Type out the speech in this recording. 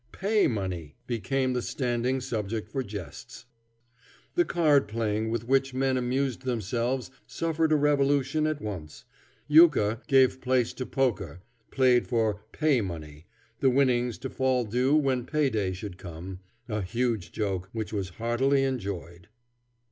"Pay money" became the standing subject for jests. The card playing with which the men amused themselves suffered a revolution at once; euchre gave place to poker, played for "pay money," the winnings to fall due when pay day should come, a huge joke which was heartily enjoyed.